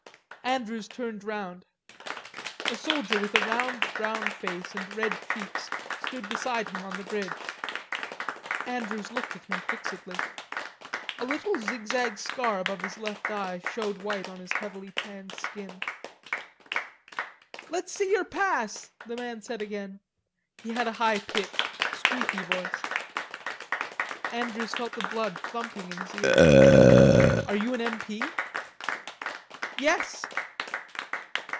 Andrews turned round. A soldier with a round brown face and red cheeks stood beside him on the bridge. Andrews looked at him fixedly. A little zigzag scar above his left eye showed white on his heavily tanned skin. "Let's see your pass," the man said again; he had a high pitched, squeaky voice. Andrews felt the blood thumping in his ears. "Are you an M. P.?" "Yes."